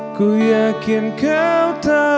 aku yakin kau tahu